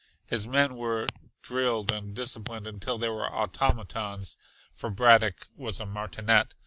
His men were drilled and disciplined until they were automatons, for Braddock was a martinet.